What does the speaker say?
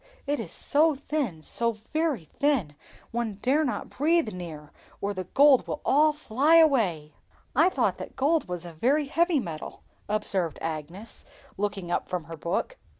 it is so thin, so very thin, one dare not breathe near, or the gold would all fly away!" "I thought that gold was a very heavy metal," observed Agnes, looking up from her book.